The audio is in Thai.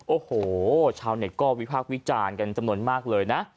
โอ้โหชาวเน็ตก็วิพากษ์วิจารณ์กันจำนวนมากเลยนะ